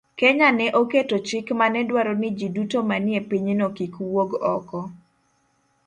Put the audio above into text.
Kenya ne oketo chik mane dwaro ni ji duto manie pinyno kik wuog oko,